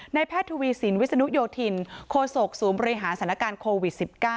แพทย์ทวีสินวิศนุโยธินโคศกศูนย์บริหารสถานการณ์โควิด๑๙